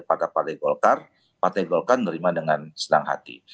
pada partai golkar partai golkar menerima dengan senang hati